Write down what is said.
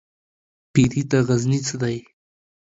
پيري ته غزنى څه دى ؟